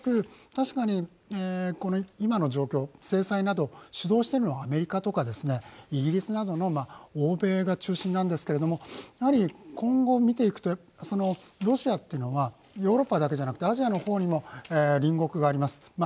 確かに、今の状況制裁などを主導しているのはイギリスなどの欧米が中心なんですけれども、今後見ていくと、ロシアというのはヨーロッパだけじゃなくてアジアの方にも隣国があります。